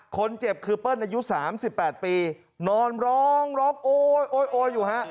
คนเจ็บคือเป้ิ้ลอายุสามสิบแปดปีนอนร้องล็อกโอ้ยโอ๊ยอยู่ฮะ